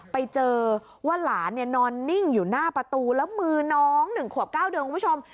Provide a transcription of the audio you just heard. ไปเจอว่าหลานนอนนิ่งอยู่หน้าประตูแล้วมือน้อง๑ขวบ๙เดือนคุณผู้ชม